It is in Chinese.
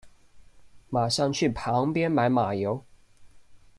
马上去旁边买马油